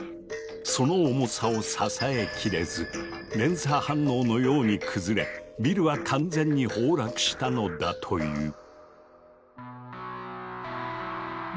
その重さを支えきれず連鎖反応のように崩れビルは完全に崩落したのだという。